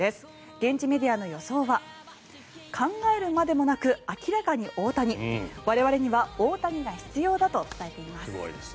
現地メディアの予想は考えるまでもなく明らかに大谷我々には大谷が必要だと伝えています。